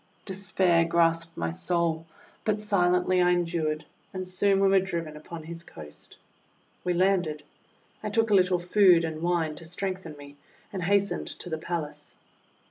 Despair grasped my soul, but silently I en dured, and soon we were driven upon his coast. We landed. I took a little food and wine to strengthen me, and hastened to the palace.